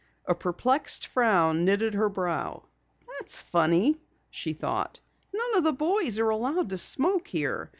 A perplexed frown knitted her brow. "That's funny," she thought. "None of the boys are allowed to smoke here.